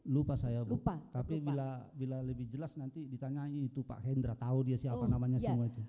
lupa saya bu tapi bila lebih jelas nanti ditanyain itu pak hendra tahu dia siapa namanya semua itu